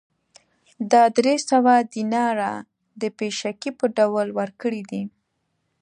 دا درې سوه دیناره د پېشکي په ډول ورکړي دي